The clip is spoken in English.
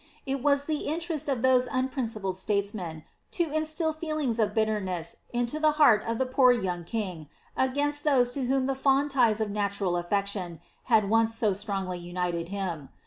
It was the interest of those unprincipled statesmen to isstil feelings of bitterness into the heart of the poor young king, against those to whom the fond ties of natural aflection had once so strongly onited him.